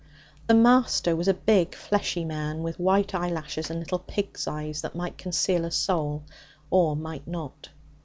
The Master was a big fleshy man with white eyelashes and little pig's eyes that might conceal a soul or might not.